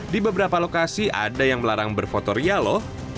di beberapa lokasi ada yang melarang berfotoria lho